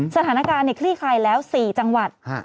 สถานการณ์คลี่คลายแล้ว๔จังหวัด